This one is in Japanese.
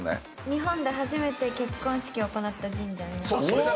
日本で初めて結婚式を行った神社になります。